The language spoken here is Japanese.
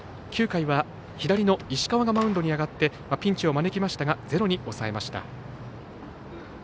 ９回は左の石川がマウンドに上がってピンチを招きましたがゼロに抑えました。